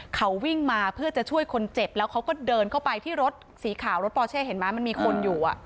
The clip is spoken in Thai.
เขาวิ่งมาเพื่อจะช่วยคนเจ็บแล้วเขาก็เดินเข้าไปที่รถสีขาวรถปอเช่เห็นไหมมันมีคนอยู่